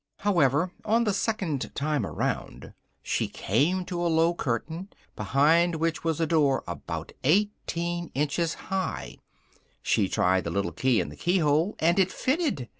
However, on the second time round, she came to a low curtain, behind which was a door about eighteen inches high: she tried the little key in the keyhole, and it fitted!